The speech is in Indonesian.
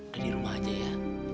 kediri rumah aja ya